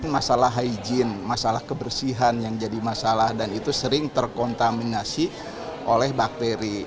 masalah hygiene masalah kebersihan yang jadi masalah dan itu sering terkontaminasi oleh bakteri